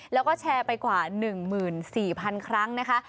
แล้วก็แชร์ไปกว่า๑๔๐๐๐ครั้งนะคะ